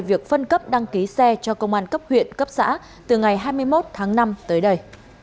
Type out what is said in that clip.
việc phân cấp đăng ký xe cho công an cấp huyện cấp xã từ ngày hai mươi một tháng năm tới đây